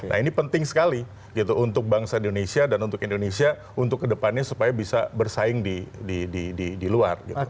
nah ini penting sekali gitu untuk bangsa indonesia dan untuk indonesia untuk kedepannya supaya bisa bersaing di luar